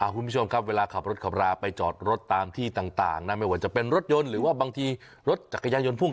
คุณผู้ชมครับเวลาขับรถขับราไปจอดรถตามที่ต่างนะไม่ว่าจะเป็นรถยนต์หรือว่าบางทีรถจักรยานยนต์พ่วง